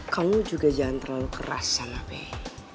kamu juga jangan terlalu keras sama peh